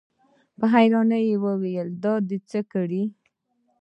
په حيرانۍ يې وويل: دا دې څه کړي؟